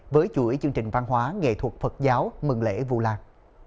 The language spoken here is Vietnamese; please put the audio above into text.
với chuỗi chương trình văn hóa nghệ thuật phật giáo mừng lễ vụ lạc